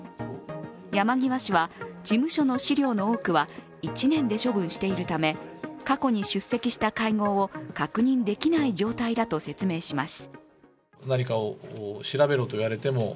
山際氏は事務所の資料の多くは１年で処分しているため、過去に出席した会合を確認できない状態だと説明します。